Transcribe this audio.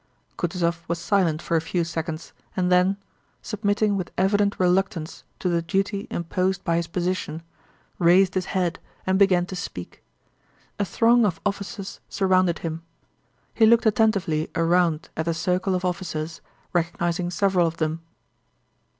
Kutúzov was silent for a few seconds and then, submitting with evident reluctance to the duty imposed by his position, raised his head and began to speak. A throng of officers surrounded him. He looked attentively around at the circle of officers, recognizing several of them.